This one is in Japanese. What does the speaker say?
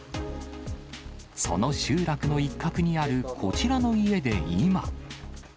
その集落の一角にあるこちらの家で今。